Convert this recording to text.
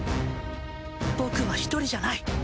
僕は１人じゃない。